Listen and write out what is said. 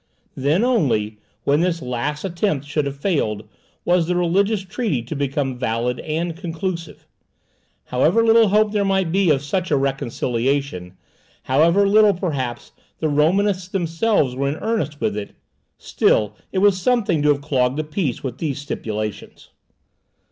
Then only, when this last attempt should have failed, was the religious treaty to become valid and conclusive. However little hope there might be of such a reconciliation, however little perhaps the Romanists themselves were in earnest with it, still it was something to have clogged the peace with these stipulations.